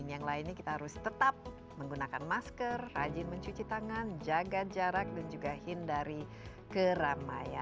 yang lainnya kita harus tetap menggunakan masker rajin mencuci tangan jaga jarak dan juga hindari keramaian